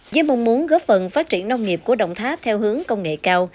với mong muốn góp phần phát triển nông nghiệp của đồng tháp theo hướng công nghệ cao